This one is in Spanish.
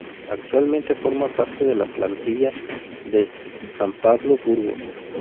Actualmente forma parte de la plantilla del San Pablo Burgos.